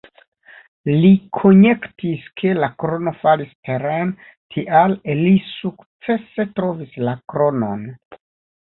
Li konjektis, ke la krono falis teren, tial li sukcese trovis la kronon.